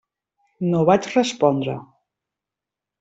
No vaig respondre.